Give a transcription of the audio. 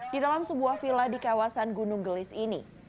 di dalam sebuah villa di kawasan gunung gelis ini